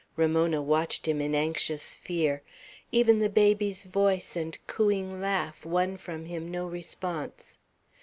Ramona watched him in anxious fear. Even the baby's voice and cooing laugh won from him no response.